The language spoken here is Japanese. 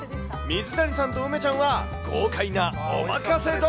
水谷さんと梅ちゃんは、豪快なおまかせ丼。